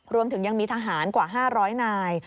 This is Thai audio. รวมถึงยังมีทหารกว่า๕๐๐นาย